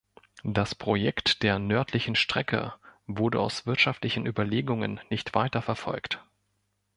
Das Projekt der nördlichen Strecke wurde aus wirtschaftlichen Überlegungen nicht weiter verfolgt.